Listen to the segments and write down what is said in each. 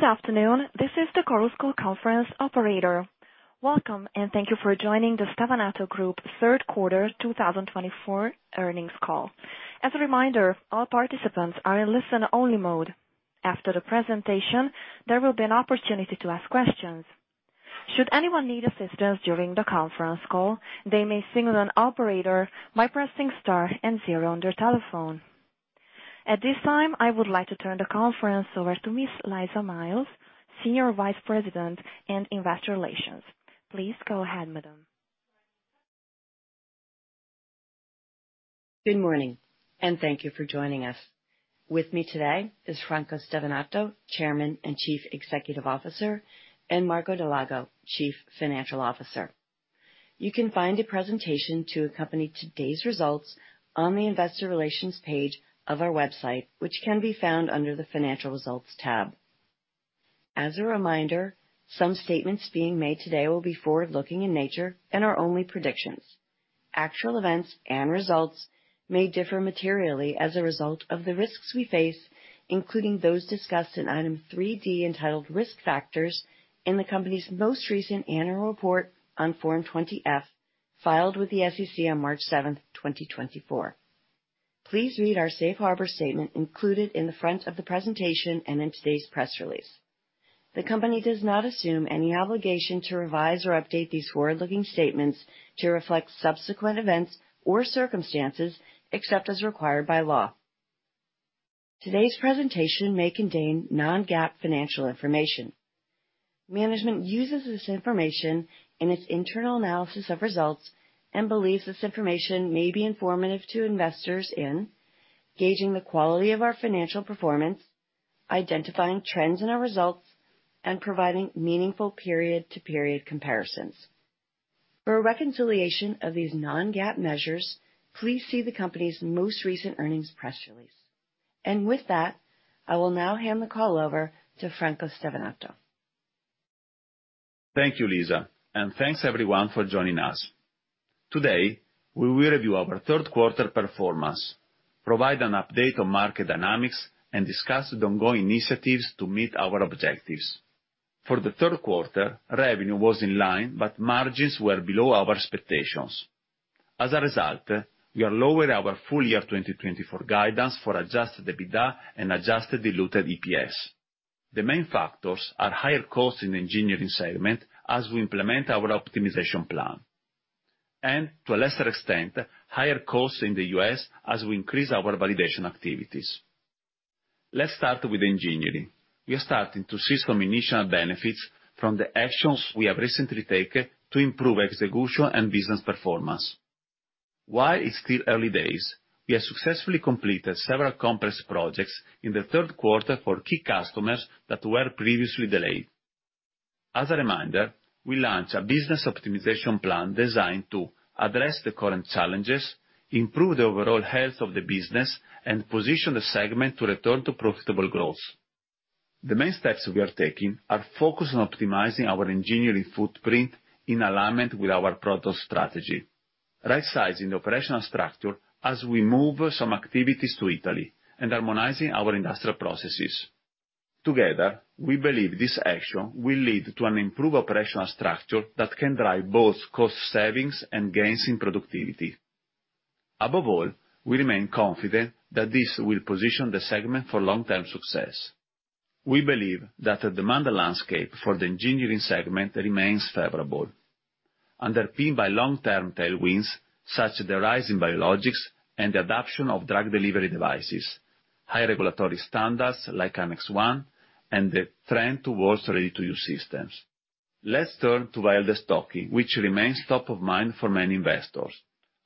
Good afternoon. This is the Chorus Call operator. Welcome, and thank you for joining the Stevanato Group Q3 2024 earnings call. As a reminder, all participants are in listen-only mode. After the presentation, there will be an opportunity to ask questions. Should anyone need assistance during the conference call, they may signal an operator by pressing star and zero on their telephone. At this time, I would like to turn the conference over to Ms. Lisa Miles, Senior Vice President and Investor Relations. Please go ahead, Madam. Good morning, and thank you for joining us. With me today is Franco Stevanato, Chairman and Chief Executive Officer, and Marco Dal Lago, Chief Financial Officer. You can find a presentation to accompany today's results on the Investor Relations page of our website, which can be found under the Financial Results tab. As a reminder, some statements being made today will be forward-looking in nature and are only predictions. Actual events and results may differ materially as a result of the risks we face, including those discussed in item 3D entitled Risk Factors in the company's most recent annual report on Form 20-F filed with the SEC on March 7th, 2024. Please read our Safe Harbor statement included in the front of the presentation and in today's press release. The company does not assume any obligation to revise or update these forward-looking statements to reflect subsequent events or circumstances except as required by law. Today's presentation may contain non-GAAP financial information. Management uses this information in its internal analysis of results and believes this information may be informative to investors in gauging the quality of our financial performance, identifying trends in our results, and providing meaningful period-to-period comparisons. For reconciliation of these non-GAAP measures, please see the company's most recent earnings press release. And with that, I will now hand the call over to Franco Stevanato. Thank you, Lisa Miles, and thanks everyone for joining us. Today, we will review our Q3 performance, provide an update on market dynamics, and discuss the ongoing initiatives to meet our objectives. For the Q3, revenue was in line, but margins were below our expectations. As a result, we are lowering our full year 2024 guidance for Adjusted EBITDA and Adjusted Diluted EPS. The main factors are higher costs in the Engineering segment as we implement our optimization plan, and to a lesser extent, higher costs in the U.S. as we increase our validation activities. Let's start with engineering. We are starting to see some initial benefits from the actions we have recently taken to improve execution and business performance. While it's still early days, we have successfully completed several complex projects in the Q3 for key customers that were previously delayed. As a reminder, we launched a business optimization plan designed to address the current challenges, improve the overall health of the business, and position the segment to return to profitable growth. The main steps we are taking are focused on optimizing our engineering footprint in alignment with our product strategy, right-sizing the operational structure as we move some activities to Italy, and harmonizing our industrial processes. Together, we believe this action will lead to an improved operational structure that can drive both cost savings and gains in productivity. Above all, we remain confident that this will position the segment for long-term success. We believe that the demand landscape for the engineering segment remains favorable, underpinned by long-term tailwinds such as the rise in biologics and the adoption of drug delivery devices, high regulatory standards like Annex 1, and the trend towards ready-to-use systems. Let's turn to vial destocking, which remains top of mind for many investors.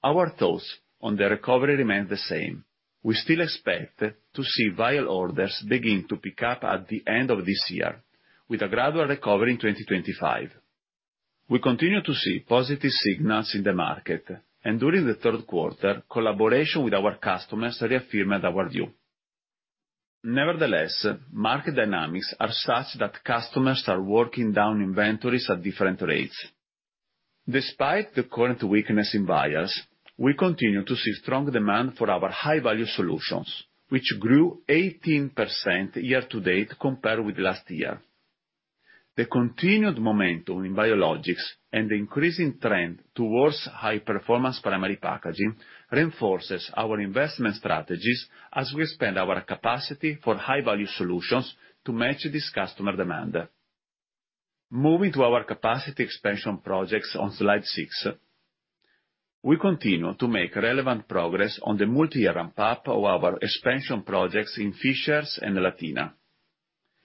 Our thoughts on the recovery remain the same. We still expect to see vial orders begin to pick up at the end of this year, with a gradual recovery in 2025. We continue to see positive signals in the market, and during the Q3, collaboration with our customers reaffirmed our view. Nevertheless, market dynamics are such that customers are working down inventories at different rates. Despite the current weakness in vials, we continue to see strong demand for our high-value solutions, which grew 18% year-to-date compared with last year. The continued momentum in biologics and the increasing trend towards high-performance primary packaging reinforces our investment strategies as we expand our capacity for high-value solutions to match this customer demand. Moving to our capacity expansion projects on slide six, we continue to make relevant progress on the multi-year ramp-up of our expansion projects in Fishers and Latina.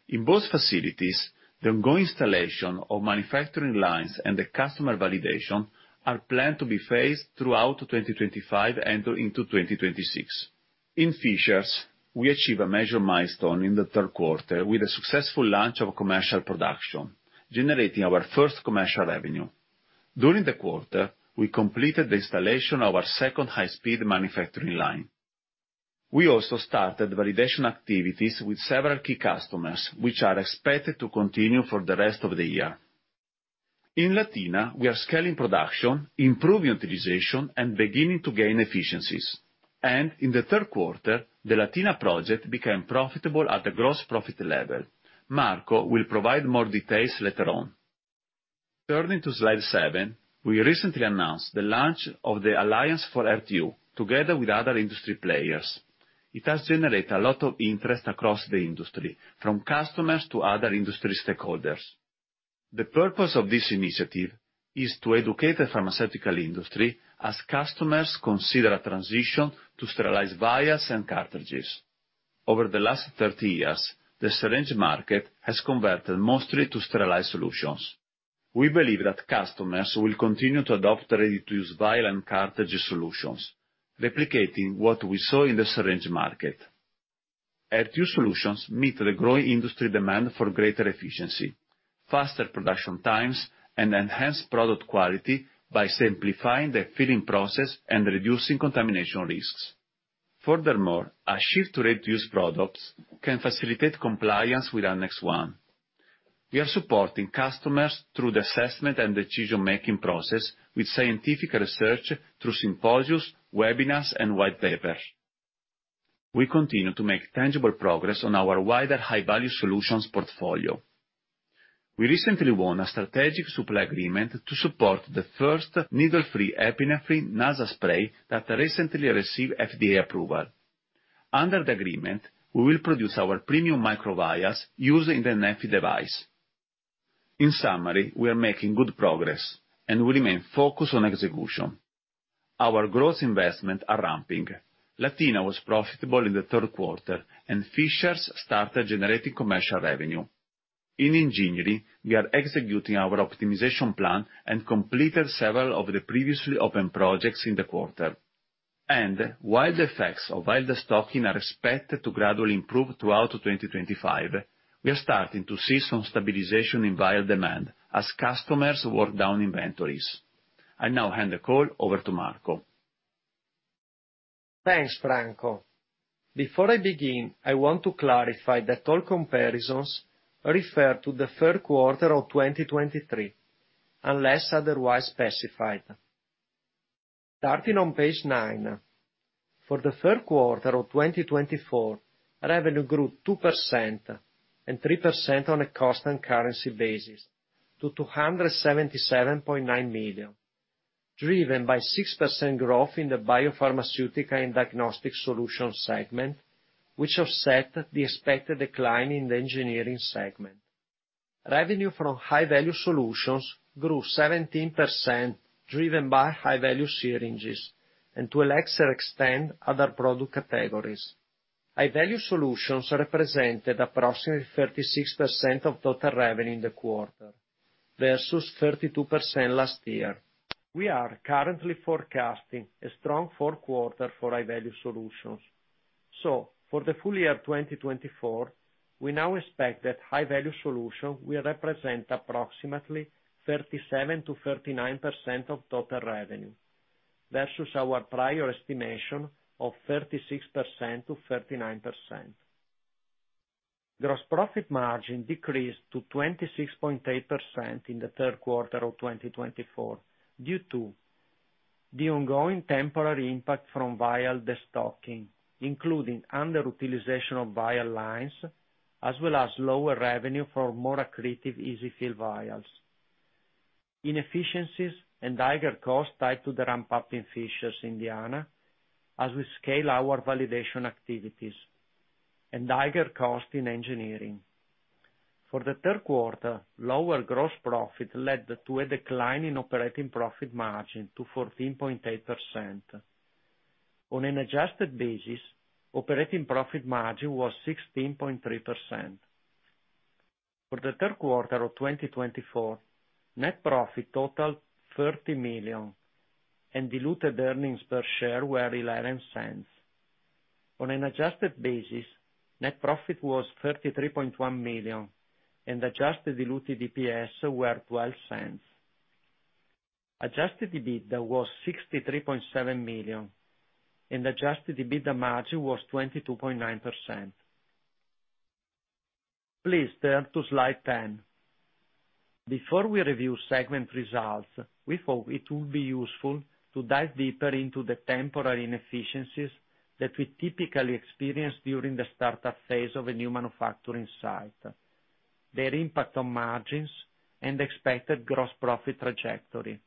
In both facilities, the ongoing installation of manufacturing lines and the customer validation are planned to be phased throughout 2025 and into 2026. In Fishers, we achieved a major milestone in the Q3 with the successful launch of commercial production, generating our first commercial revenue. During the quarter, we completed the installation of our second high-speed manufacturing line. We also started validation activities with several key customers, which are expected to continue for the rest of the year. In Latina, we are scaling production, improving utilization, and beginning to gain efficiencies, and in the Q3, the Latina project became profitable at the gross profit level. Marco Dal Lago will provide more details later on. Turning to slide seven, we recently announced the launch of the Alliance for RTU together with other industry players. It has generated a lot of interest across the industry, from customers to other industry stakeholders. The purpose of this initiative is to educate the pharmaceutical industry as customers consider a transition to sterilized vials and cartridges. Over the last 30 years, the syringe market has converted mostly to sterilized solutions. We believe that customers will continue to adopt ready-to-use vial and cartridge solutions, replicating what we saw in the syringe market. RTU solutions meet the growing industry demand for greater efficiency, faster production times, and enhanced product quality by simplifying the filling process and reducing contamination risks. Furthermore, a shift to ready-to-use products can facilitate compliance with Annex 1. We are supporting customers through the assessment and decision-making process with scientific research through symposiums, webinars, and white papers. We continue to make tangible progress on our wider high-value solutions portfolio. We recently won a strategic supply agreement to support the first needle-free epinephrine nasal spray that recently received FDA approval. Under the agreement, we will produce our premium microvials used in the neffy device. In summary, we are making good progress, and we remain focused on execution. Our growth investments are ramping. Latina was profitable in the Q3, and Fishers started generating commercial revenue. In engineering, we are executing our optimization plan and completed several of the previously open projects in the quarter, and while the effects of vial de-stocking are expected to gradually improve throughout 2025, we are starting to see some stabilization in vial demand as customers work down inventories. I now hand the call over to Marco Dal Lago. Thanks, Franco Stevanato. Before I begin, I want to clarify that all comparisons refer to the Q3 of 2023, unless otherwise specified. Starting on page nine, for the Q3 of 2024, revenue grew 2% and 3% on a constant currency basis to 277.9 million, driven by 6% growth in the Biopharmaceutical and Diagnostic Solutions segment, which offset the expected decline in the engineering segment. Revenue from high-value solutions grew 17%, driven by high-value syringes and, to a lesser extent, other product categories. High-value solutions represented approximately 36% of total revenue in the quarter versus 32% last year. We are currently forecasting a strong Q4 for high-value solutions. So, for the full year 2024, we now expect that high-value solutions will represent approximately 37%-39% of total revenue versus our prior estimation of 36%-39%. Gross profit margin decreased to 26.8% in the Q3 of 2024 due to the ongoing temporary impact from vial de-stocking, including underutilization of vial lines, as well as lower revenue for more accretive EZ-fill vials. Inefficiencies and higher costs tied to the ramp-up in Fishers, Indiana, as we scale our validation activities and higher costs in engineering. For the Q3, lower gross profit led to a decline in operating profit margin to 14.8%. On an Adjusted basis, operating profit margin was 16.3%. For the Q3 of 2024, net profit totaled 30 million, and diluted earnings per share were 0.11. On an adjusted basis, net profit was 33.1 million, and Adjusted diluted EPS were 0.12. Adjusted EBITDA was 63.7 million, and Adjusted EBITDA margin was 22.9%. Please turn to slide ten. Before we review segment results, we hope it will be useful to dive deeper into the temporary inefficiencies that we typically experience during the startup phase of a new manufacturing site, their impact on margins, and expected gross profit trajectory.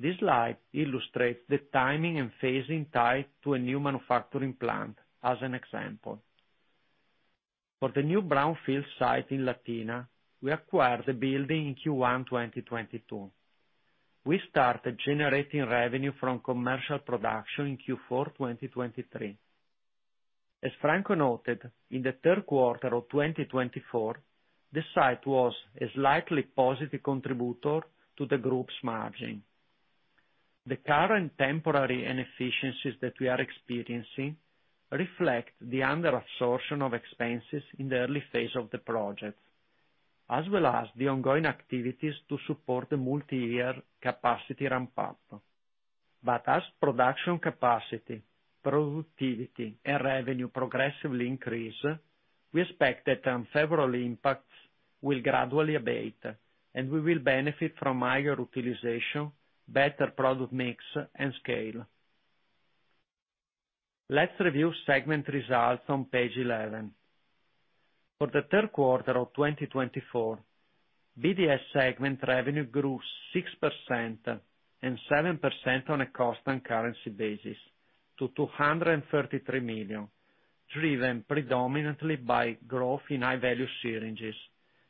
This slide illustrates the timing and phasing tied to a new manufacturing plant as an example. For the new brownfield site in Latina, we acquired the building in Q1 2022. We started generating revenue from commercial production in Q4 2023. As Franco Stevanato noted, in the Q3 of 2024, the site was a slightly positive contributor to the group's margin. The current temporary inefficiencies that we are experiencing reflect the under-absorption of expenses in the early phase of the project, as well as the ongoing activities to support the multi-year capacity ramp-up. But as production capacity, productivity, and revenue progressively increase, we expect that temporary impacts will gradually abate, and we will benefit from higher utilization, better product mix, and scale. Let's review segment results on page 11. For the Q3 of 2024, BDS segment revenue grew 6% and 7% on a constant currency basis to 233 million, driven predominantly by growth in high-value syringes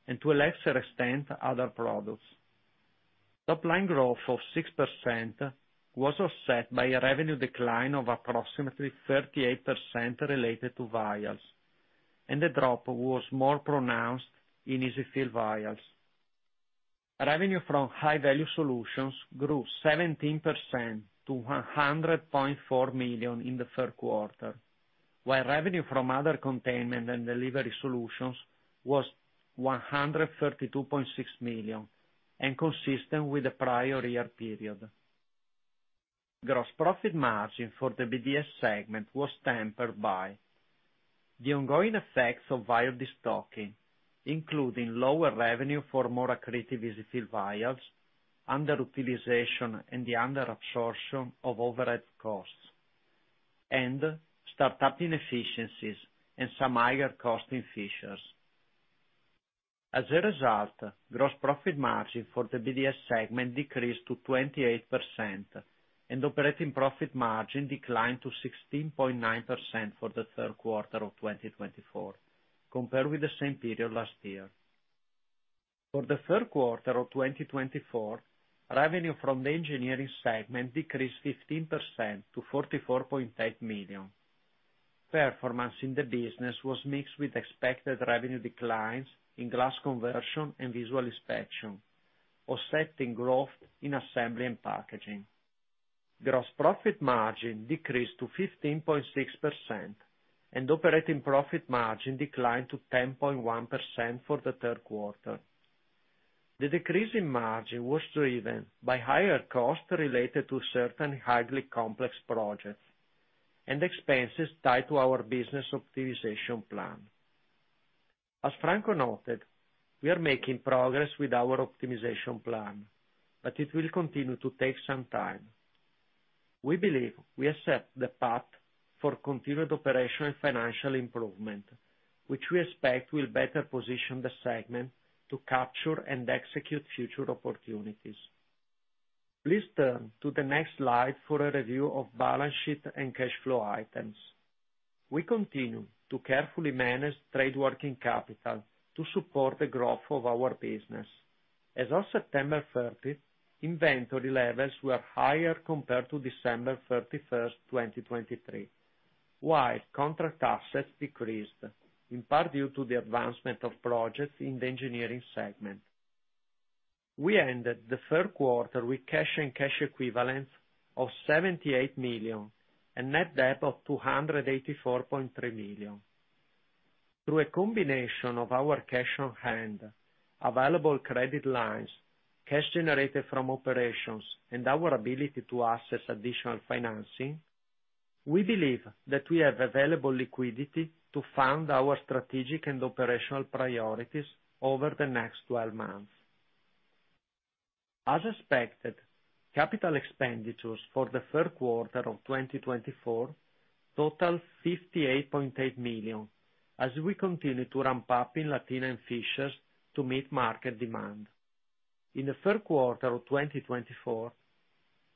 and, to a lesser extent, other products. Top-line growth of 6% was offset by a revenue decline of approximately 38% related to vials, and the drop was more pronounced in EZ-fill vials. Revenue from high-value solutions grew 17% to 100.4 million in the Q3, while revenue from other containment and delivery solutions was 132.6 million and consistent with the prior year period. Gross profit margin for the BDS segment was tempered by the ongoing effects of vial de-stocking, including lower revenue for more accretive EZ-fill vials, underutilization, and the under-absorption of overhead costs, and startup inefficiencies and some higher costs in Fishers. As a result, gross profit margin for the BDS segment decreased to 28%, and operating profit margin declined to 16.9% for the Q3 of 2024, compared with the same period last year. For the Q3 of 2024, revenue from the engineering segment decreased 15% to 44.8 million. Performance in the business was mixed with expected revenue declines in glass conversion and visual inspection, offsetting growth in assembly and packaging. Gross profit margin decreased to 15.6%, and operating profit margin declined to 10.1% for the Q3. The decrease in margin was driven by higher costs related to certain highly complex projects and expenses tied to our business optimization plan. As Franco Stevanato noted, we are making progress with our optimization plan, but it will continue to take some time. We believe we have set the path for continued operational and financial improvement, which we expect will better position the segment to capture and execute future opportunities. Please turn to the next slide for a review of balance sheet and cash flow items. We continue to carefully manage trade working capital to support the growth of our business. As of September 30th, inventory levels were higher compared to December 31st, 2023, while contract assets decreased, in part due to the advancement of projects in the engineering segment. We ended the Q3 with cash and cash equivalents of 78 million and net debt of 284.3 million. Through a combination of our cash on hand, available credit lines, cash generated from operations, and our ability to assess additional financing, we believe that we have available liquidity to fund our strategic and operational priorities over the next 12 months. As expected, capital expenditures for the Q3 of 2024 totaled 58.8 million as we continue to ramp up in Latina and Fishers to meet market demand. In the Q3 of 2024,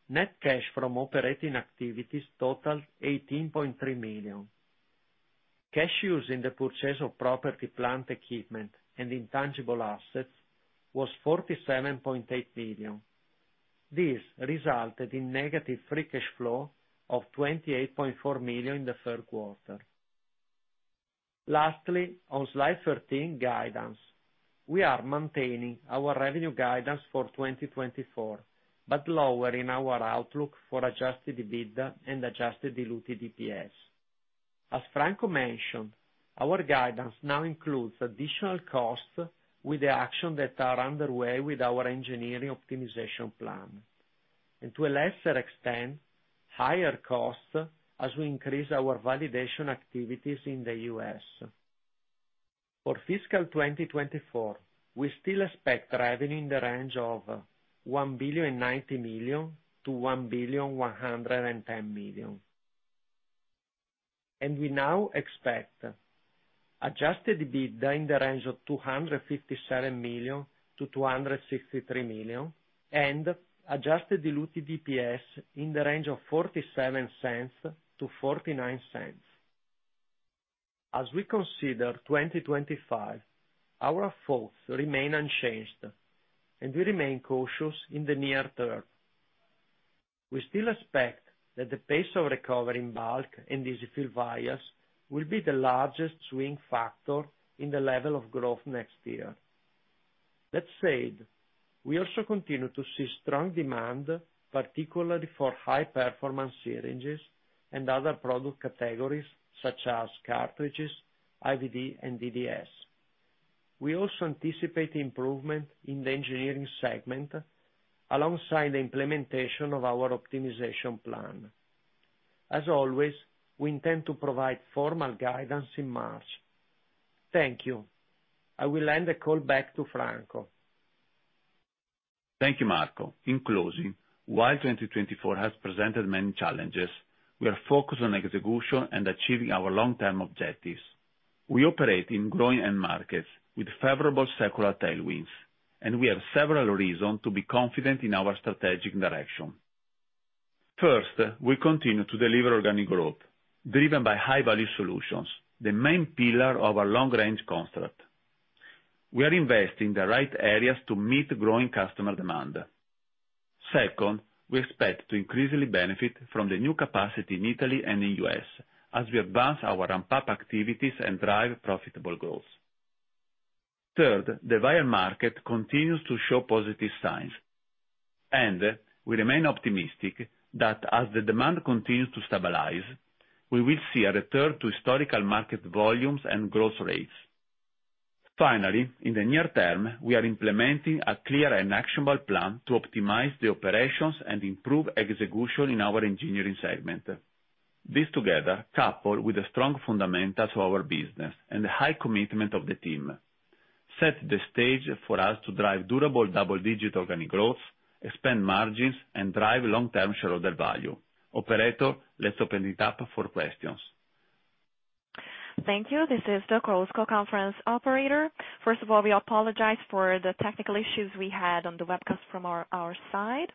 net cash from operating activities totaled 18.3 million. Cash used in the purchase of property, plant, equipment, and intangible assets was 47.8 million. This resulted in negative free cash flow of 28.4 million in the Q3. Lastly, on slide 13, guidance, we are maintaining our revenue guidance for 2024 but lowering our outlook for Adjusted EBITDA and Adjusted diluted EPS. As Franco Stevanato mentioned, our guidance now includes additional costs with the actions that are underway with our engineering optimization plan, and to a lesser extent, higher costs as we increase our validation activities in the U.S. For fiscal 2024, we still expect revenue in the range of 1.9 billion-2.110 billion, and we now expect Adjusted EBITDA in the range of 257 million-263 million and Adjusted diluted EPS in the range of EUR 0.47-$0.49. As we consider 2025, our thoughts remain unchanged, and we remain cautious in the near term. We still expect that the pace of recovery in bulk and EZ-fill vials will be the largest swing factor in the level of growth next year. That said, we also continue to see strong demand, particularly for high-performance syringes and other product categories such as cartridges, IVD, and DDS. We also anticipate improvement in the engineering segment alongside the implementation of our optimization plan. As always, we intend to provide formal guidance in March. Thank you. I will hand the call back to Franco Stevanato. Thank you, Marco Dal Lago. In closing, while 2024 has presented many challenges, we are focused on execution and achieving our long-term objectives. We operate in growing end markets with favorable secular tailwinds, and we have several reasons to be confident in our strategic direction. First, we continue to deliver organic growth, driven by high-value solutions, the main pillar of our long-range construct. We are investing in the right areas to meet growing customer demand. Second, we expect to increasingly benefit from the new capacity in Italy and in the U.S. as we advance our ramp-up activities and drive profitable growth. Third, the vial market continues to show positive signs, and we remain optimistic that as the demand continues to stabilize, we will see a return to historical market volumes and growth rates. Finally, in the near term, we are implementing a clear and actionable plan to optimize the operations and improve execution in our engineering segment. This, together, coupled with the strong fundamentals of our business and the high commitment of the team, sets the stage for us to drive durable double-digit organic growth, expand margins, and drive long-term shareholder value. Operator, let's open it up for questions. Thank you. This is Doug Rose, Conference Operator. First of all, we apologize for the technical issues we had on the webcast from our side.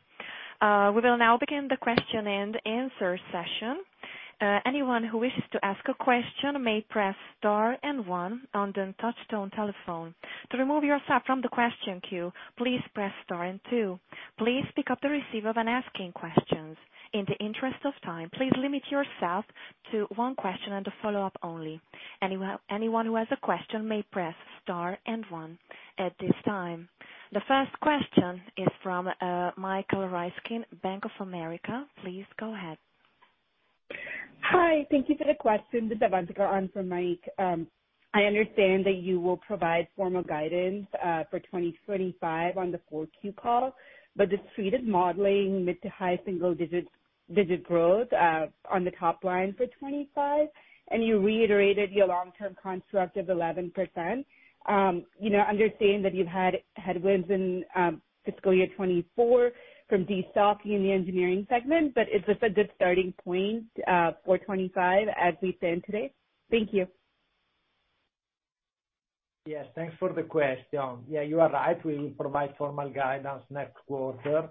We will now begin the Q&A session. Anyone who wishes to ask a question may press star and one on the touch-tone telephone. To remove yourself from the question queue, please press star and two. Please pick up the receiver when asking questions. In the interest of time, please limit yourself to one question and a follow-up only. Anyone who has a question may press star and one at this time. The first question is from Michael Ryskin, Bank of America. Please go ahead. Hi. Thank you for the question. This is Avantika Karnik from Bank of America. I understand that you will provide formal guidance for 2025 on the 4Q call, but the Street is modeling mid to high-single-digit growth on the top line for 2025, and you reiterated your long-term construct of 11%. Understand that you've had headwinds in fiscal year 2024 from de-stocking in the engineering segment, but is this a good starting point for 2025 as we stand today? Thank you. Yes. Thanks for the question. Yeah, you are right. We will provide formal guidance next quarter.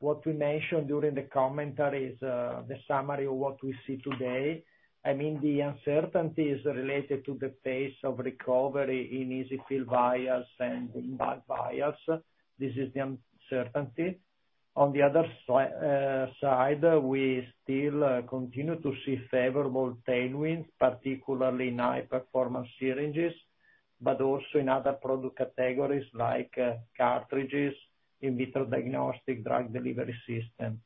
What we mentioned during the commentary is the summary of what we see today. I mean, the uncertainty is related to the pace of recovery in EZ-fill vials and in bulk vials. This is the uncertainty. On the other side, we still continue to see favorable tailwinds, particularly in high-performance syringes, but also in other product categories like cartridges, in vitro diagnostic, drug delivery system.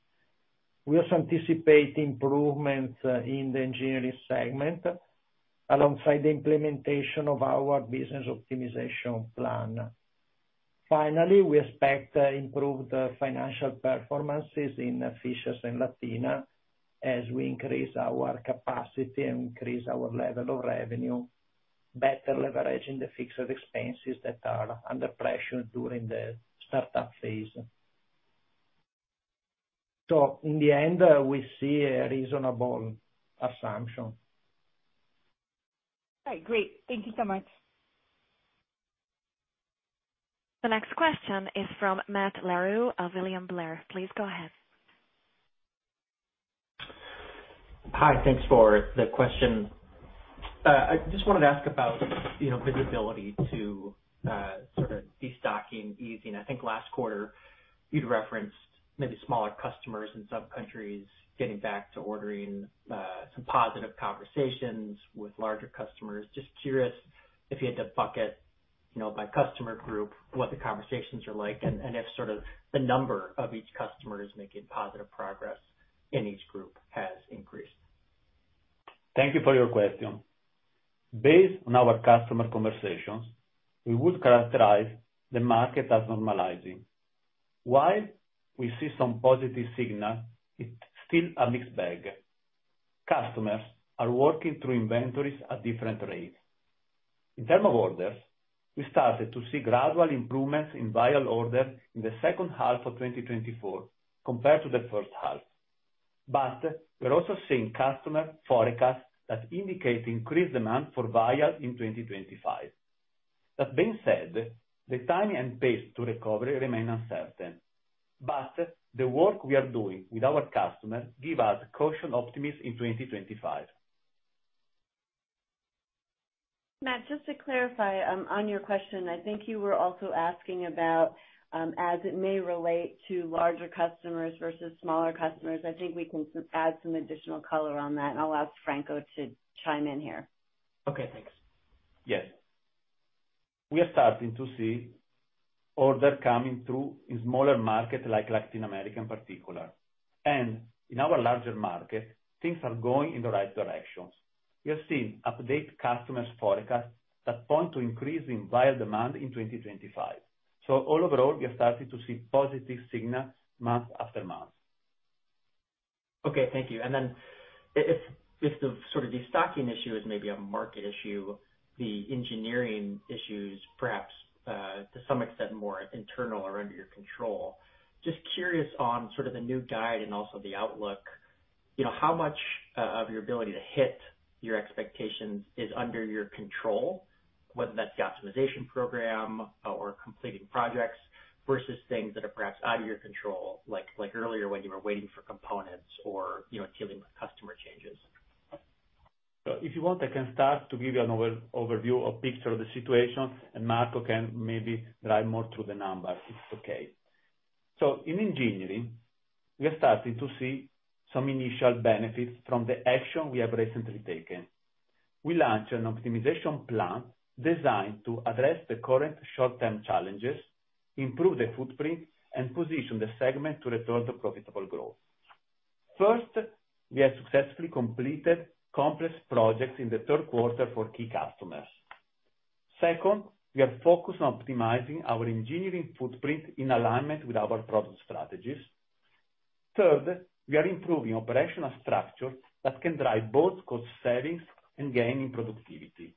We also anticipate improvements in the engineering segment alongside the implementation of our business optimization plan. Finally, we expect improved financial performances in Fishers and Latina as we increase our capacity and increase our level of revenue, better leveraging the fixed expenses that are under pressure during the startup phase. So in the end, we see a reasonable assumption. Okay. Great. Thank you so much. The next question is from Matt Larew of William Blair. Please go ahead. Hi. Thanks for the question. I just wanted to ask about visibility to sort of de-stocking, easing. I think last quarter, you'd referenced maybe smaller customers in some countries getting back to ordering, some positive conversations with larger customers. Just curious if you had to bucket by customer group what the conversations are like, and if sort of the number of each customer is making positive progress in each group has increased. Thank you for your question. Based on our customer conversations, we would characterize the market as normalizing. While we see some positive signals, it's still a mixed bag. Customers are working through inventories at different rates. In terms of orders, we started to see gradual improvements in vial orders in the second-half of 2024 compared to the first-half, but we're also seeing customer forecasts that indicate increased demand for vials in 2025. That being said, the timing and pace to recovery remain uncertain, but the work we are doing with our customers gives us cautious optimism in 2025. Matt Larew, just to clarify on your question, I think you were also asking about as it may relate to larger customers versus smaller customers. I think we can add some additional color on that, and I'll ask Franco Stevanato to chime in here. Okay. Thanks. Yes. We are starting to see orders coming through in smaller markets like Latin America in particular, and in our larger market, things are going in the right direction. We have seen updated customers' forecasts that point to increasing vial demand in 2025, so all overall, we are starting to see positive signals month after month. Okay. Thank you, and then if the sort of de-stocking issue is maybe a market issue, the engineering issue is perhaps to some extent more internal or under your control. Just curious on sort of the new guide and also the outlook, how much of your ability to hit your expectations is under your control, whether that's the optimization program or completing projects versus things that are perhaps out of your control, like earlier when you were waiting for components or dealing with customer changes? If you want, I can start to give you an overview or picture of the situation, and Marco Dal Lago can maybe dive more into the numbers if it's okay. In engineering, we are starting to see some initial benefits from the action we have recently taken. We launched an optimization plan designed to address the current short-term challenges, improve the footprint, and position the segment to return to profitable growth. First, we have successfully completed complex projects in the Q3 for key customers. Second, we are focused on optimizing our engineering footprint in alignment with our product strategies. Third, we are improving operational structure that can drive both cost savings and gain in productivity.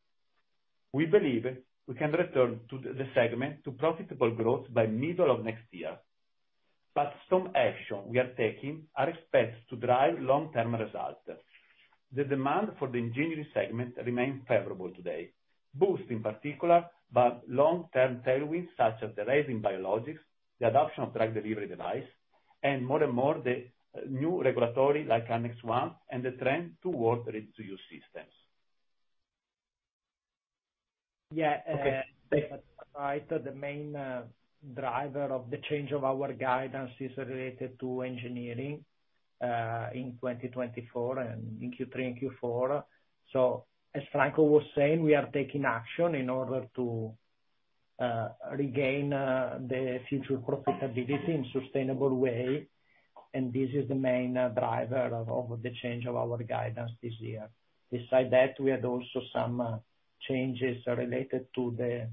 We believe we can return the segment to profitable growth by middle of next year. Some actions we are taking are expected to drive long-term results. The demand for the Engineering Segment remains favorable today, boosted in particular by long-term tailwinds such as the rising biologics, the adoption of drug delivery devices, and more and more the new regulations like Annex 1 and the trend towards ready-to-use systems. Yeah. Okay. Right. The main driver of the change of our guidance is related to engineering in 2024 and in Q3 and Q4, so as Franco Stevanato was saying, we are taking action in order to regain the future profitability in a sustainable way, and this is the main driver of the change of our guidance this year. Besides that, we had also some changes related to the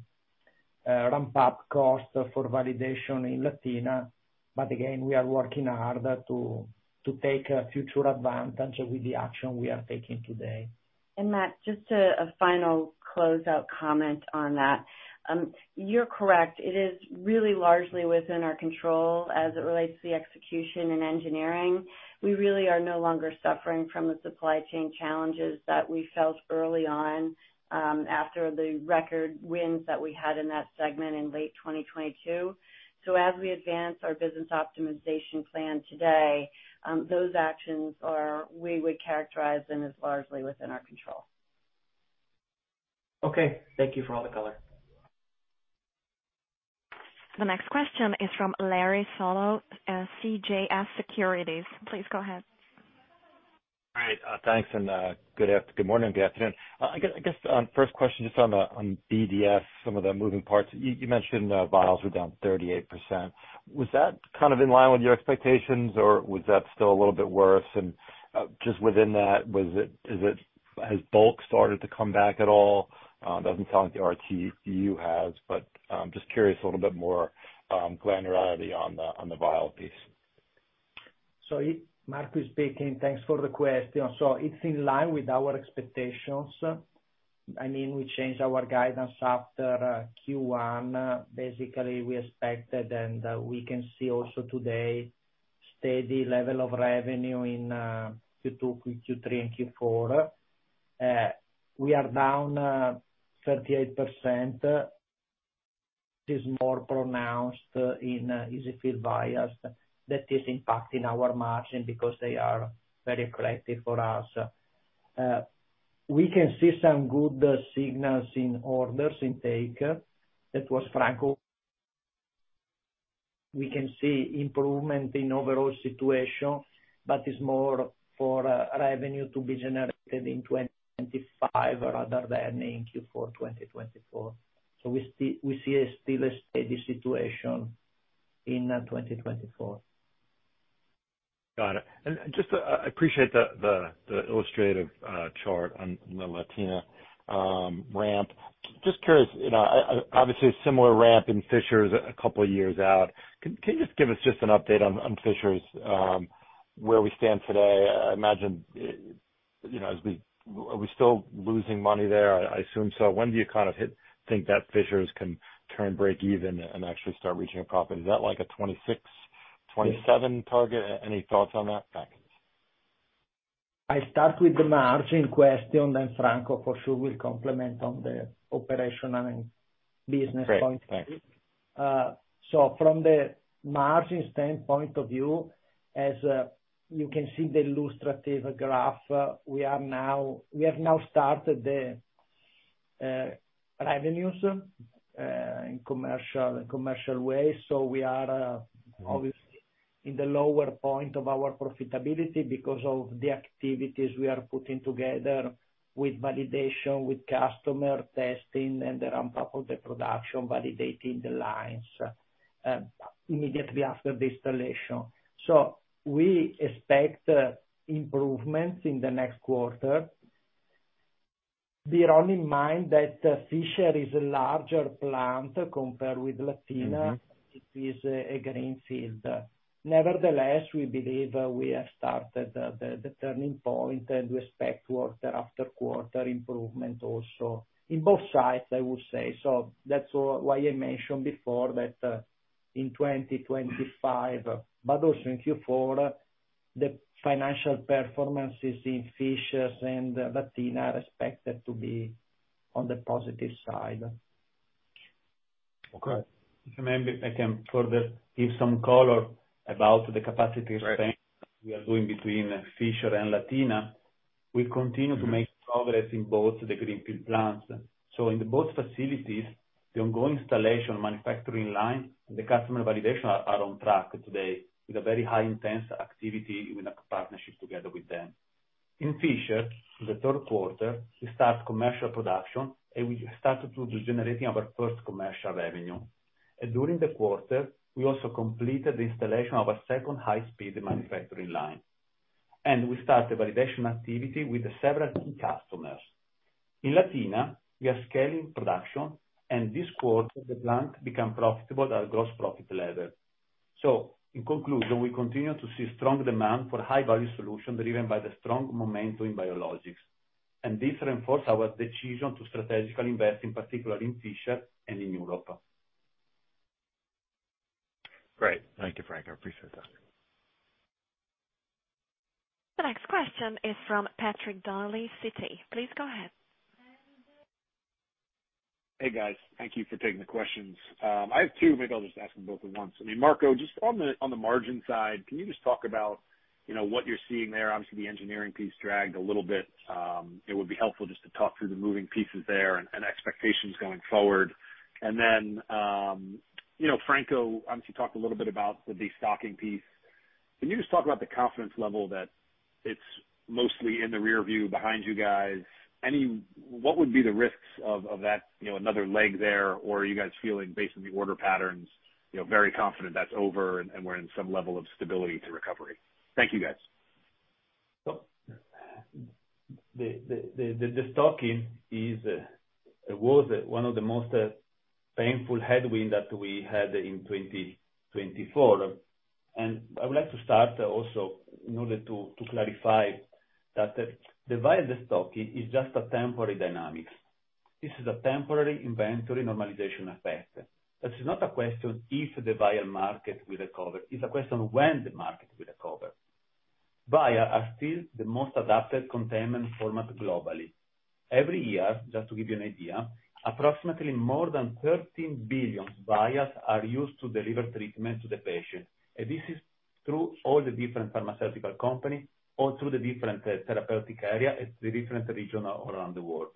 ramp-up cost for validation in Latina, but again, we are working hard to take future advantage with the action we are taking today. And Matt Larew, just a final close-out comment on that. You're correct. It is really largely within our control as it relates to the execution and engineering. We really are no longer suffering from the supply chain challenges that we felt early on after the record wins that we had in that segment in late 2022. So as we advance our business optimization plan today, those actions we would characterize them as largely within our control. Okay. Thank you for all the color. The next question is from Larry Solow, CJS Securities. Please go ahead. All right. Thanks, and good morning and good afternoon. I guess first question just on BDS, some of the moving parts. You mentioned vials were down 38%. Was that kind of in line with your expectations, or was that still a little bit worse? And just within that, has bulk started to come back at all? Doesn't sound like the Alliance for RTU has, but just curious, a little bit more granularity on the vial piece. Marco Dal Lago is speaking. Thanks for the question. It's in line with our expectations. I mean, we changed our guidance after Q1. Basically, we expected, and we can see also today steady level of revenue in Q2, Q3, and Q4. We are down 38%. This is more pronounced in EZ-fill vials that is impacting our margin because they are very attractive for us. We can see some good signals in order intake. That was Franco Stevanato. We can see improvement in overall situation, but it's more for revenue to be generated in 2025 rather than in Q4 2024. We see still a steady situation in 2024. Got it. And just I appreciate the illustrative chart on the Latina ramp. Just curious, obviously a similar ramp in Fishers a couple of years out. Can you just give us just an update on Fishers, where we stand today? I imagine are we still losing money there? I assume so. When do you kind of think that Fishers can turn, break even, and actually start reaching a profit? Is that like a 2026, 2027 target? Any thoughts on that? I start with the margin question, then Franco Stevanato for sure will comment on the operational and business point. Great. Thanks. From the margin standpoint of view, as you can see the illustrative graph, we have now started the revenues in commercial ways. So we are obviously in the lower point of our profitability because of the activities we are putting together with validation, with customer testing, and the ramp-up of the production, validating the lines immediately after the installation. So we expect improvements in the next quarter. Bear in mind that Fishers is a larger plant compared with Latina. It is a greenfield. Nevertheless, we believe we have started the turning point, and we expect quarter after quarter improvement also in both sides, I would say. So that's why I mentioned before that in 2025, but also in Q4, the financial performances in Fishers and Latina are expected to be on the positive side. Okay. If I may, I can further give some color about the capacity expansion we are doing between Fishers and Latina. We continue to make progress in both the greenfield plants, so in both facilities, the ongoing installation, manufacturing line, and the customer validation are on track today with a very high-intensity activity in our partnership together with them. In Fishers, in the Q3, we start commercial production, and we started to be generating our first commercial revenue. And during the quarter, we also completed the installation of a second high-speed manufacturing line, and we started validation activity with several key customers. In Latina, we are scaling production, and this quarter, the plant became profitable at gross profit level. So in conclusion, we continue to see strong demand for high-value solutions driven by the strong momentum in biologics. This reinforced our decision to strategically invest, in particular in Fishers and in Europe. Great. Thank you, Franco Stevanato. I appreciate that. The next question is from Patrick Donnelly, Citi. Please go ahead. Hey, guys. Thank you for taking the questions. I have two. Maybe I'll just ask them both at once. I mean, Marco Dal Lago, just on the margin side, can you just talk about what you're seeing there? Obviously, the engineering piece dragged a little bit. It would be helpful just to talk through the moving pieces there and expectations going forward. And then Franco Stevanato, obviously, talked a little bit about the de-stocking piece. Can you just talk about the confidence level that it's mostly in the rearview behind you guys? What would be the risks of that another leg there, or are you guys feeling, based on the order patterns, very confident that's over and we're in some level of stability to recovery? Thank you, guys. So the stocking was one of the most painful headwinds that we had in 2024. And I would like to start also in order to clarify that the vial destocking is just a temporary dynamic. This is a temporary inventory normalization effect. That's not a question if the vial market will recover. It's a question of when the market will recover. Vials are still the most adopted containment format globally. Every year, just to give you an idea, approximately more than 13 billion vials are used to deliver treatment to the patient. And this is through all the different pharmaceutical companies or through the different therapeutic areas at the different regions around the world.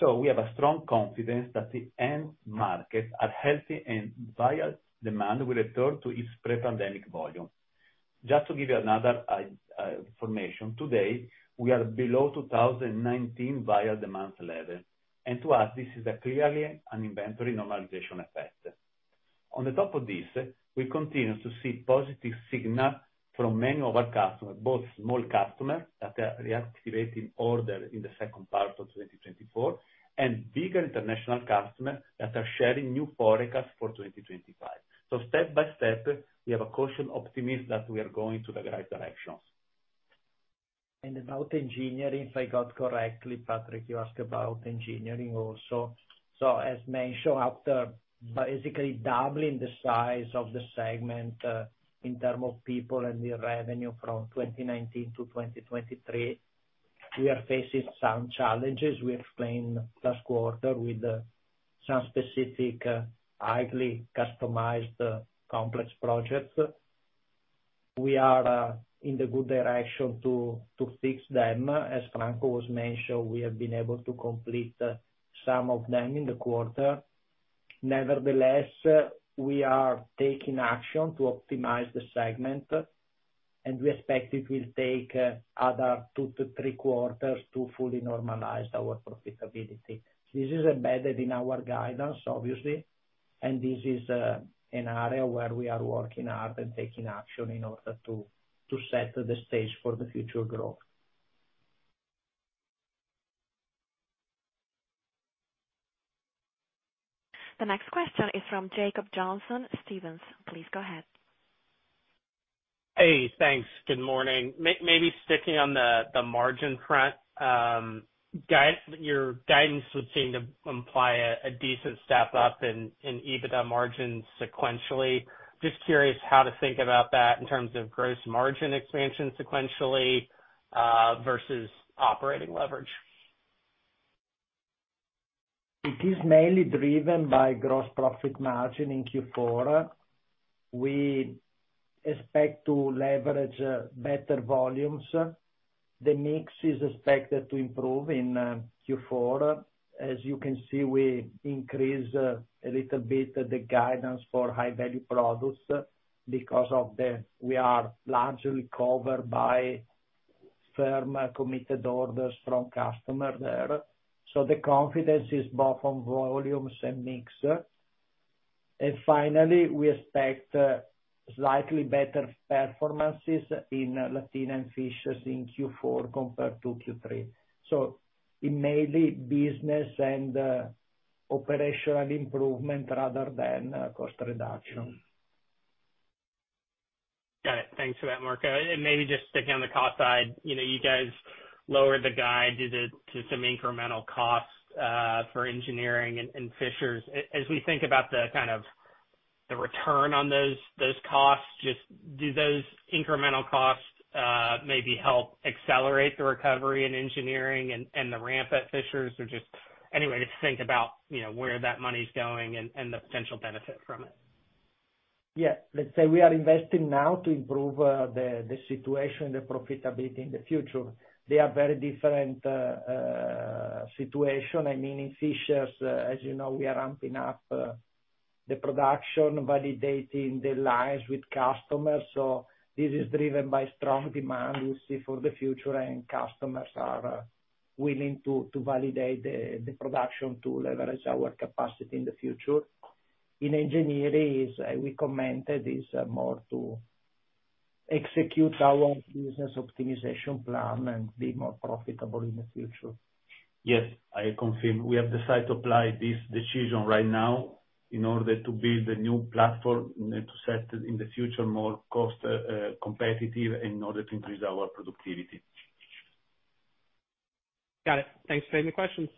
So we have a strong confidence that the end market, our healthy and vial demand, will return to its pre-pandemic volume. Just to give you another information, today, we are below 2019 vial demand level. To us, this is clearly an inventory normalization effect. On top of this, we continue to see positive signals from many of our customers, both small customers that are reactivating orders in the second part of 2024 and bigger international customers that are sharing new forecasts for 2025. Step by step, we have a cautious optimist that we are going to the right direction. About engineering, if I got it correctly, Patrick Donnelly, you asked about engineering also. As mentioned, after basically doubling the size of the segment in terms of people and the revenue from 2019 to 2023, we are facing some challenges. We explained last quarter with some specific highly customized complex projects. We are in the good direction to fix them. As Franco Stevanato was mentioning, we have been able to complete some of them in the quarter. Nevertheless, we are taking action to optimize the segment, and we expect it will take another two to three quarters to fully normalize our profitability. This is embedded in our guidance, obviously, and this is an area where we are working hard and taking action in order to set the stage for the future growth. The next question is from Jacob Johnson, Stephens. Please go ahead. Hey, thanks. Good morning. Maybe sticking on the margin front, your guidance would seem to imply a decent step up in EBITDA margins sequentially. Just curious how to think about that in terms of gross margin expansion sequentially versus operating leverage. It is mainly driven by gross profit margin in Q4. We expect to leverage better volumes. The mix is expected to improve in Q4. As you can see, we increased a little bit the guidance for high-value products because we are largely covered by firm committed orders from customers there. So the confidence is both on volumes and mix. And finally, we expect slightly better performances in Latina and Fishers in Q4 compared to Q3. So it may be business and operational improvement rather than cost reduction. Got it. Thanks for that, Marco Dal Lago. And maybe just sticking on the cost side, you guys lowered the guide to some incremental costs for engineering and Fishers. As we think about the kind of return on those costs, just do those incremental costs maybe help accelerate the recovery in engineering and the ramp at Fishers? Or just any way to think about where that money is going and the potential benefit from it? Yeah. Let's say we are investing now to improve the situation and the profitability in the future. They are very different situations. I mean, in Fishers, as you know, we are ramping up the production, validating the lines with customers. So this is driven by strong demand we see for the future, and customers are willing to validate the production to leverage our capacity in the future. In engineering, as we commented, it's more to execute our business optimization plan and be more profitable in the future. Yes, I confirm. We have decided to apply this decision right now in order to build a new platform to set in the future more cost-competitive and in order to increase our productivity. Got it. Thanks for any questions.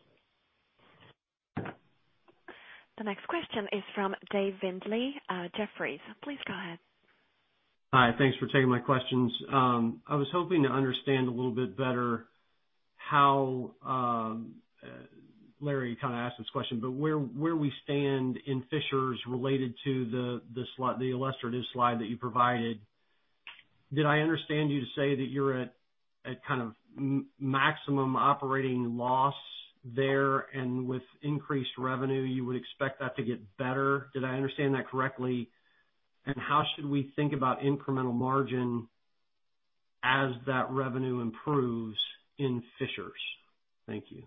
The next question is from David Windley, Jefferies. Please go ahead. Hi. Thanks for taking my questions. I was hoping to understand a little bit better how Larry Solow kind of asked this question, but where we stand in Fishers related to the illustrative slide that you provided, did I understand you to say that you're at kind of maximum operating loss there, and with increased revenue, you would expect that to get better? Did I understand that correctly? And how should we think about incremental margin as that revenue improves in Fishers? Thank you.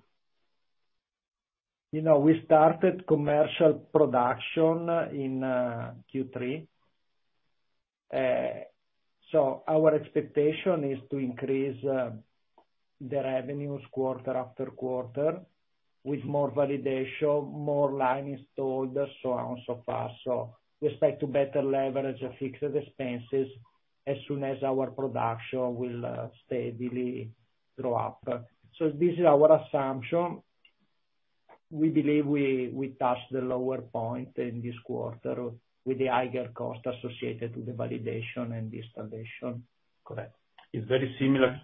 We started commercial production in Q3. So our expectation is to increase the revenues quarter after quarter with more validation, more lines installed so on and so forth. So we expect to better leverage fixed expenses as soon as our production will steadily grow up. So this is our assumption. We believe we touched the lower point in this quarter with the higher cost associated with the validation and the installation. Correct. It's very similar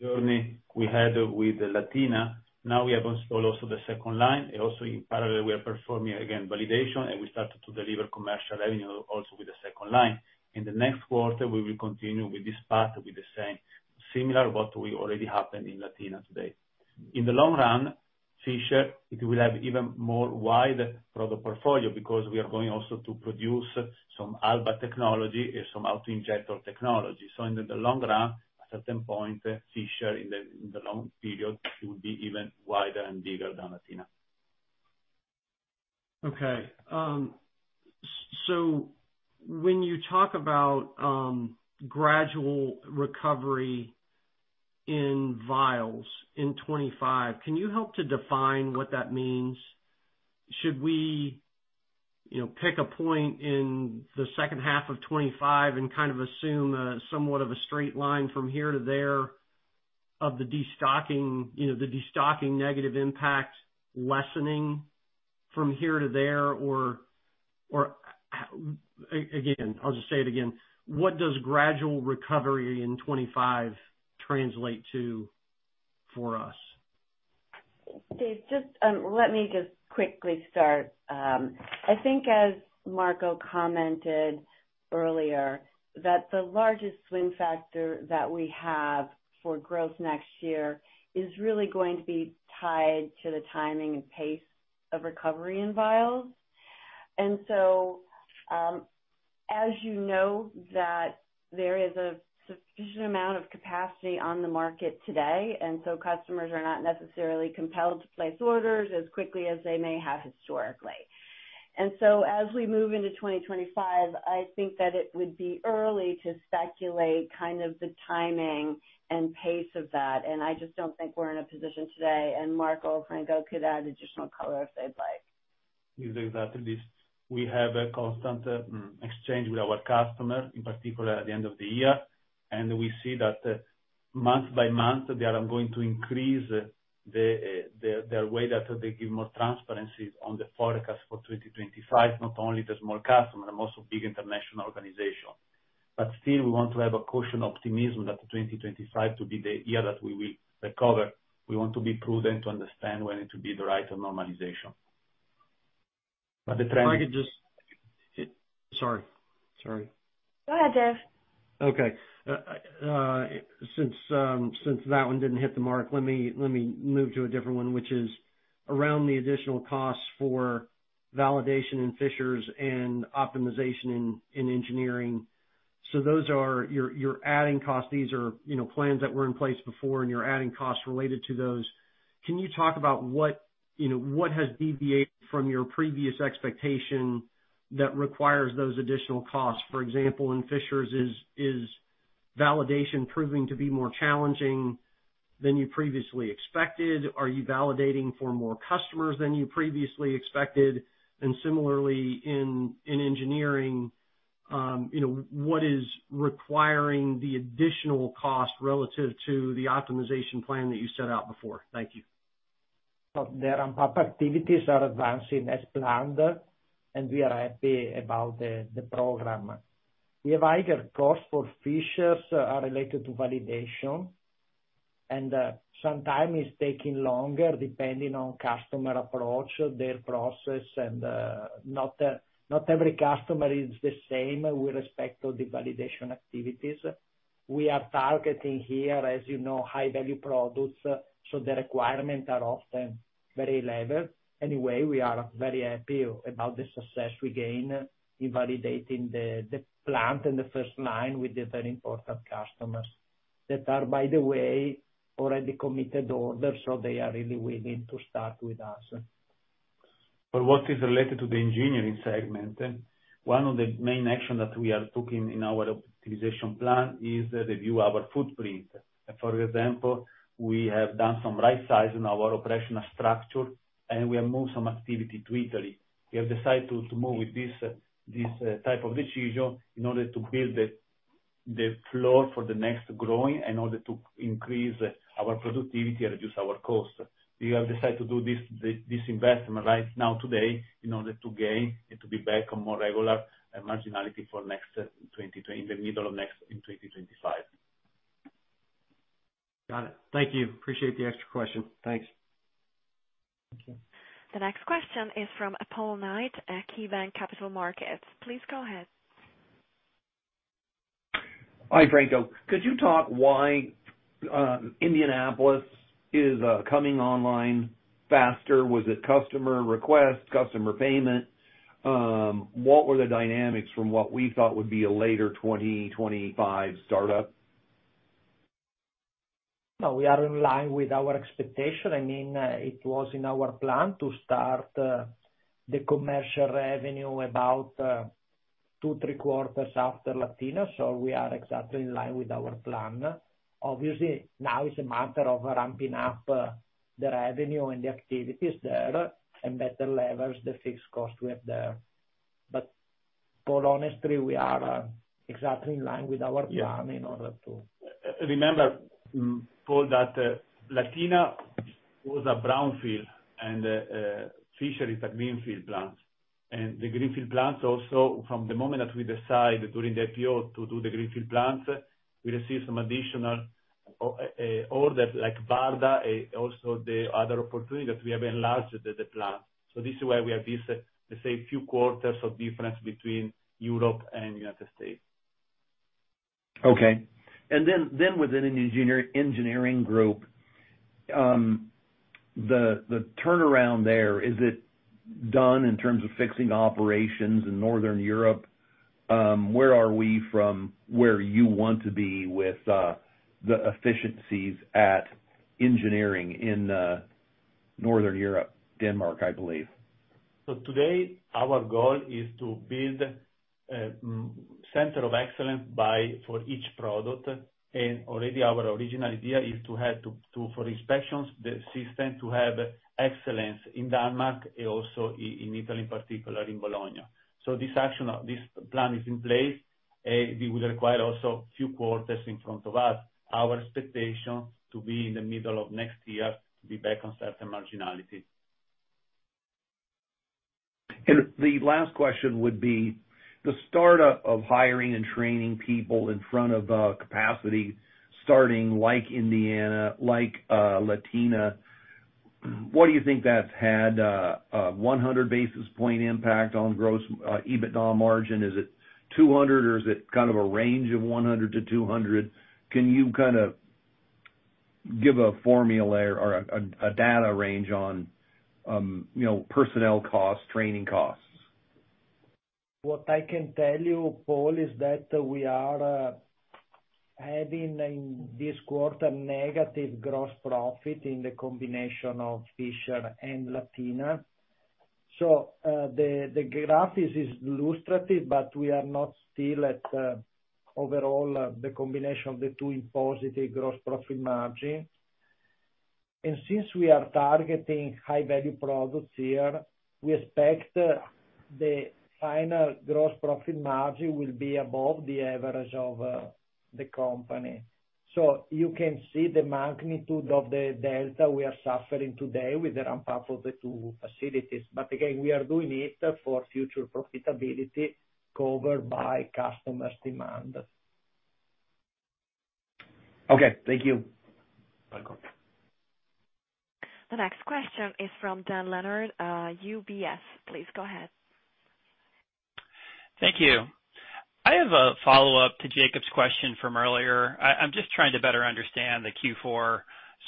journey we had with Latina. Now we have installed also the second line. Also, in parallel, we are performing again validation, and we started to deliver commercial revenue also with the second line. In the next quarter, we will continue with this path with the same similar to what we already have in Latina today. In the long run, Fishers, it will have an even more wide product portfolio because we are going also to produce some Alba technology and some auto-injector technology. So in the long run, at a certain point, Fishers, in the long period, will be even wider and bigger than Latina. Okay. So when you talk about gradual recovery in vials in 2025, can you help to define what that means? Should we pick a point in the second half of 2025 and kind of assume somewhat of a straight line from here to there of the de-stocking, the de-stocking negative impact lessening from here to there? Or again, I'll just say it again. What does gradual recovery in 2025 translate to for us? David Windley, just let me just quickly start. I think, as Marco Dal Lago commented earlier, that the largest swing factor that we have for growth next year is really going to be tied to the timing and pace of recovery in vials. And so, as you know, there is a sufficient amount of capacity on the market today, and so customers are not necessarily compelled to place orders as quickly as they may have historically. And so, as we move into 2025, I think that it would be early to speculate kind of the timing and pace of that. And I just don't think we're in a position today. And Marco Dal Lago or Franco Stevanato could add additional color if they'd like. In exactly this, we have a constant exchange with our customers, in particular at the end of the year, and we see that month by month, they are going to increase their way that they give more transparency on the forecast for 2025, not only the small customers, but also big international organizations. But still, we want to have a cautious optimism that 2025 will be the year that we will recover. We want to be prudent to understand when it will be the right normalization. But the trend is. I could just, sorry. Sorry. Go ahead, David Windley. Okay. Since that one didn't hit the mark, let me move to a different one, which is around the additional costs for validation in Fishers and optimization in engineering. So those are your adding costs. These are plans that were in place before, and you're adding costs related to those. Can you talk about what has deviated from your previous expectation that requires those additional costs? For example, in Fishers, is validation proving to be more challenging than you previously expected? Are you validating for more customers than you previously expected? And similarly, in engineering, what is requiring the additional cost relative to the optimization plan that you set out before? Thank you. So the ramp-up activities are advancing as planned, and we are happy about the program. The higher costs for Fishers are related to validation, and sometimes it's taking longer depending on customer approach, their process, and not every customer is the same with respect to the validation activities. We are targeting here, as you know, high-value products, so the requirements are often very level. Anyway, we are very happy about the success we gain in validating the plant and the first line with the very important customers that are, by the way, already committed orders, so they are really willing to start with us. But what is related to the engineering segment? One of the main actions that we are taking in our optimization plan is to review our footprint. For example, we have done some right sizing in our operational structure, and we have moved some activity to Italy. We have decided to move with this type of decision in order to build the floor for the next growing in order to increase our productivity and reduce our cost. We have decided to do this investment right now today in order to gain and to be back on more regular marginality for the middle of 2025. Got it. Thank you. Appreciate the extra question. Thanks. Thank you. The next question is from Paul Knight at KeyBanc Capital Markets. Please go ahead. Hi, Franco Stevanato. Could you talk why Indianapolis is coming online faster? Was it customer request, customer payment? What were the dynamics from what we thought would be a later 2025 startup? No, we are in line with our expectation. I mean, it was in our plan to start the commercial revenue about two, three quarters after Latina, so we are exactly in line with our plan. Obviously, now it's a month of ramping up the revenue and the activities there and better leverage the fixed cost we have there. But, Paul Knight, honestly, we are exactly in line with our plan in order to. Remember, Paul Knight, that Latina was a brownfield, and Fishers is a greenfield plant. And the greenfield plants also, from the moment that we decide during the IPO to do the greenfield plants, we receive some additional orders like BARDA, also the other opportunity that we have enlarged the plant. So this is why we have this, let's say, few quarters of difference between Europe and the United States. Okay. And then within an engineering group, the turnaround there, is it done in terms of fixing operations in Northern Europe? Where are we from where you want to be with the efficiencies at engineering in Northern Europe, Denmark, I believe? So today, our goal is to build a center of excellence for each product. And already our original idea is to have for inspections the system to have excellence in Denmark and also in Italy, in particular in Bologna. So this plan is in place, and it will require also a few quarters in front of us. Our expectation is to be in the middle of next year to be back on certain marginality. The last question would be the startup of hiring and training people in front of capacity starting like Indiana, like Latina. What do you think that's had? 100 basis points impact on gross EBITDA margin? Is it 200 basis points, or is it kind of a range of 100 basis points-200 basis points? Can you kind of give a formula or a data range on personnel costs, training costs? What I can tell you, Paul Knight, is that we are having this quarter negative gross profit in the combination of Fishers and Latina. So the graph is illustrative, but we are not still at overall the combination of the two positive gross profit margin. And since we are targeting high-value products here, we expect the final gross profit margin will be above the average of the company. So you can see the magnitude of the delta we are suffering today with the ramp-up of the two facilities. But again, we are doing it for future profitability covered by customer's demand. Okay. Thank you. Welcome. The next question is from Dan Leonard, UBS. Please go ahead. Thank you. I have a follow-up to Jacob Johnson's question from earlier. I'm just trying to better understand the Q4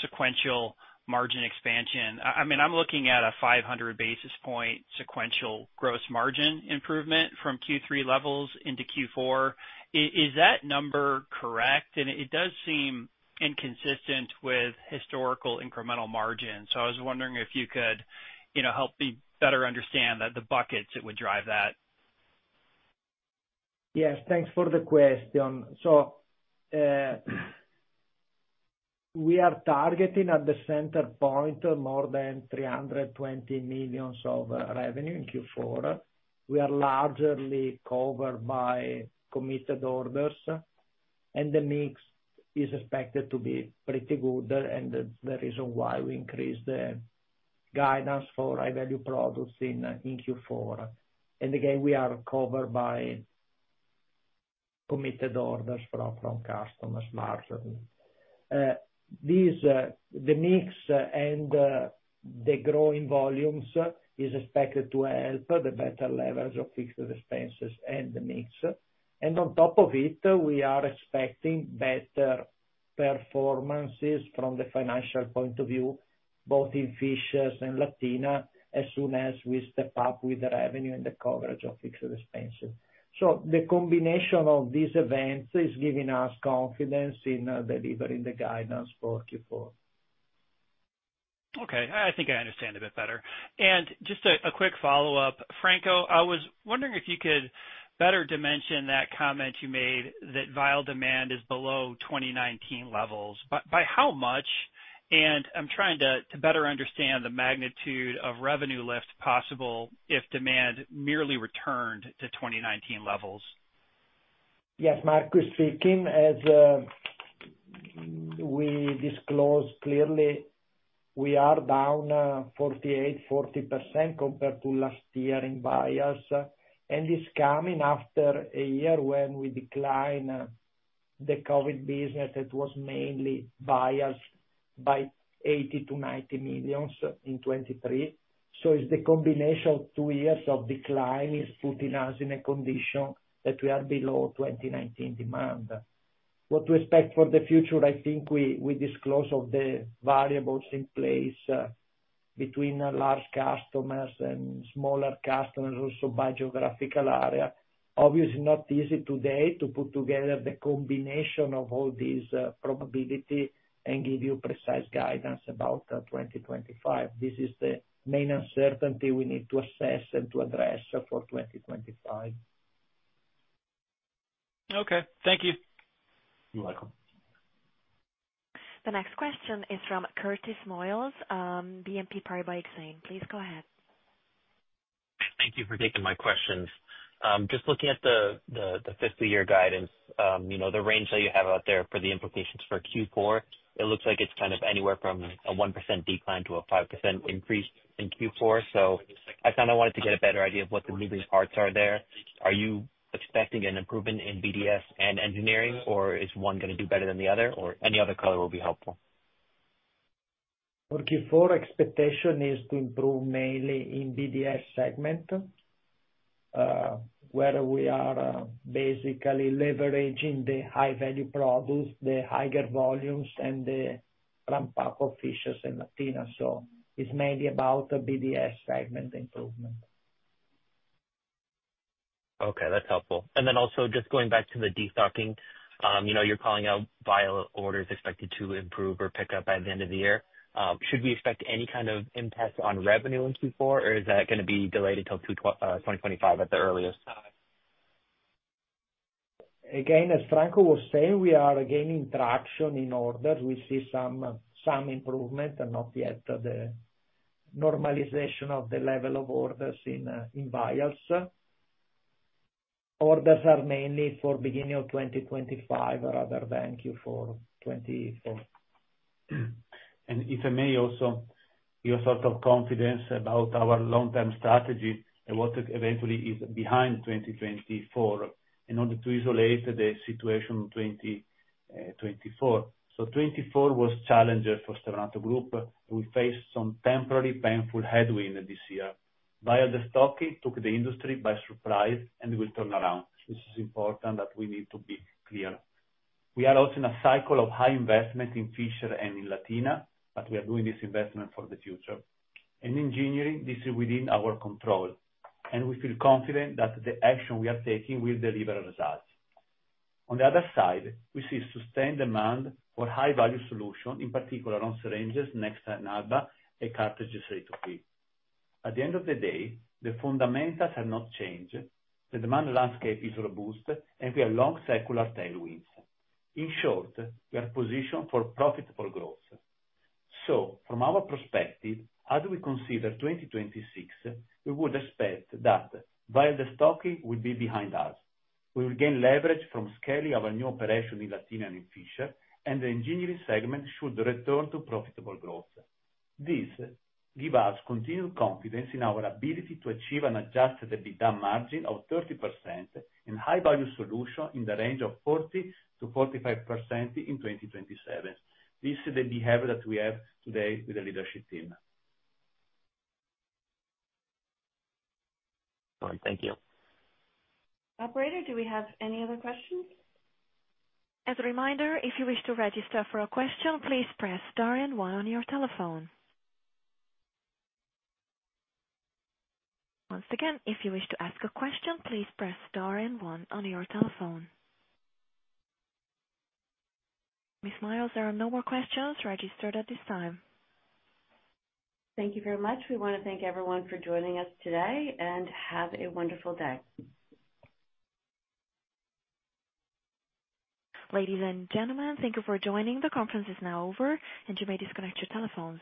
sequential margin expansion. I mean, I'm looking at a 500 basis point sequential gross margin improvement from Q3 levels into Q4. Is that number correct? And it does seem inconsistent with historical incremental margin. So I was wondering if you could help me better understand the buckets that would drive that. Yes. Thanks for the question. So we are targeting at the center point more than 320 million in revenue in Q4. We are largely covered by committed orders, and the mix is expected to be pretty good. And that's the reason why we increased the guidance for high-value products in Q4. And again, we are covered by committed orders from customers largely. The mix and the growing volumes are expected to help the better leverage of fixed expenses and the mix. And on top of it, we are expecting better performances from the financial point of view, both in Fishers and Latina, as soon as we step up with the revenue and the coverage of fixed expenses. So the combination of these events is giving us confidence in delivering the guidance for Q4. Okay. I think I understand a bit better. And just a quick follow-up. Franco Stevanato, I was wondering if you could better dimension that comment you made that vial demand is below 2019 levels. By how much? And I'm trying to better understand the magnitude of revenue lift possible if demand merely returned to 2019 levels. Yes. Marco Dal Lago is speaking. As we disclosed clearly, we are down 48% to 40% compared to last year in BDS. And this is coming after a year when we declined the COVID business. It was mainly impacted by 80 million-90 million in 2023. So it's the combination of two years of decline that is putting us in a condition that we are below 2019 demand. What to expect for the future? I think we disclosed the variables in place between large customers and smaller customers also by geographical area. Obviously, not easy today to put together the combination of all these probabilities and give you precise guidance about 2025. This is the main uncertainty we need to assess and to address for 2025. Okay. Thank you. You're welcome. The next question is from Curtis Nystrom, BNP Paribas Exane. Please go ahead. Thank you for taking my questions. Just looking at the fiscal year guidance, the range that you have out there for the implications for Q4, it looks like it's kind of anywhere from a 1% decline to a 5% increase in Q4. So I kind of wanted to get a better idea of what the moving parts are there. Are you expecting an improvement in BDS and engineering, or is one going to do better than the other, or any other color will be helpful? For Q4, the expectation is to improve mainly in BDS segment, where we are basically leveraging the high-value products, the higher volumes, and the ramp-up of Fishers and Latina. So it's mainly about the BDS segment improvement. Okay. That's helpful. And then also just going back to the de-stocking, you're calling out vial orders expected to improve or pick up by the end of the year. Should we expect any kind of impact on revenue in Q4, or is that going to be delayed until 2025 at the earliest? Again, as Franco Stevanato was saying, we are gaining traction in orders. We see some improvement, but not yet the normalization of the level of orders in vials. Orders are mainly for the beginning of 2025 rather than Q4. And if I may also, your sort of confidence about our long-term strategy and what eventually is behind 2024 in order to isolate the situation in 2024. So 2024 was a challenge for Stevanato Group. We faced some temporary painful headwinds this year. Vial destocking took the industry by surprise and will turn around. This is important that we need to be clear. We are also in a cycle of high investment in Fishers and in Latina, but we are doing this investment for the future. And engineering, this is within our control. And we feel confident that the action we are taking will deliver results. On the other side, we see sustained demand for high-value solutions, in particular on syringes, Nexa, and Alba, and cartridges too. At the end of the day, the fundamentals have not changed. The demand landscape is robust, and we have long secular tailwinds. In short, we are positioned for profitable growth. So from our perspective, as we consider 2026, we would expect that vial stocking will be behind us. We will gain leverage from scaling our new operation in Latina and in Fishers, and the engineering segment should return to profitable growth. This gives us continued confidence in our ability to achieve an Adjusted EBITDA margin of 30% and high-value solutions in the range of 40%-45% in 2027. This is the behavior that we have today with the leadership team. All right. Thank you. Operator, do we have any other questions? As a reminder, if you wish to register for a question, please press star and one on your telephone. Once again, if you wish to ask a question, please press star and one on your telephone. Ms. Lisa Miles, there are no more questions registered at this time. Thank you very much. We want to thank everyone for joining us today and have a wonderful day. Ladies and gentlemen, thank you for joining. The conference is now over, and you may disconnect your telephones.